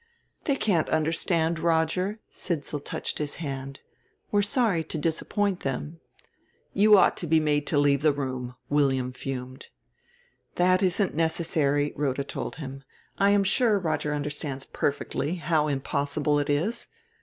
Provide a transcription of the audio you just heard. "They can't understand, Roger," Sidsall touched his hand. "We're sorry to disappoint them " "You ought to be made to leave the room," William fumed. "That isn't necessary," Rhoda told him. "I am sure Roger understands perfectly how impossible it is.